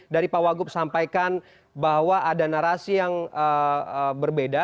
dari pak wagub sampaikan bahwa ada narasi yang berbeda